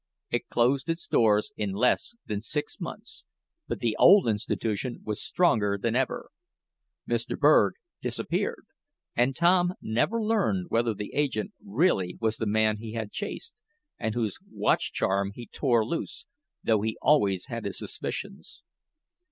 It closed its doors in less than six months, but the old institution was stronger than ever. Mr. Berg disappeared, and Tom never learned whether the agent really was the man he had chased, and whose watch charm he tore loose, though he always had his suspicions.